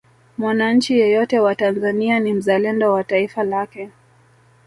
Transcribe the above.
mwanachi yeyote wa tanzania ni mzalendo wa taifa lake